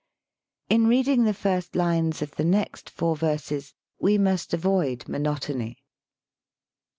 In reading the first lines of the next four verses we must avoid monotony.